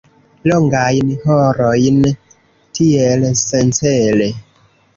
Longajn horojn tiel, sencele.